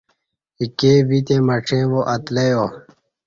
ایکے ویتے مڄیں وا اتلہ یا